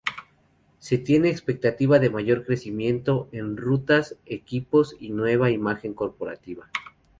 Se tiene expectativa de mayor crecimiento en rutas, equipos y nueva imagen corporativa.